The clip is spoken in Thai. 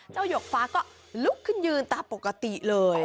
หยกฟ้าก็ลุกขึ้นยืนตามปกติเลย